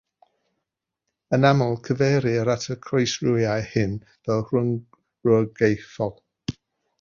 Yn aml, cyfeirir at y croesrywiau hyn fel rhyng-rywogaethol.